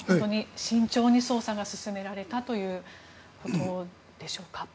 慎重に捜査が進められたということでしょうか。